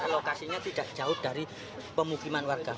lokasinya tidak jauh dari pemukiman warga